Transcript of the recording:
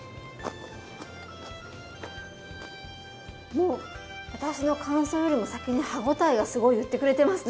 もう私の感想よりも先に歯応えがすごい言ってくれてますね。